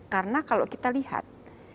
karena kalau kita lihat